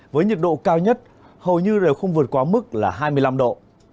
với nhiệt độ cao nhất hầu như đều không vượt quá mức là hai mươi năm độ